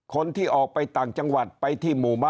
ตัวเลขการแพร่กระจายในต่างจังหวัดมีอัตราที่สูงขึ้น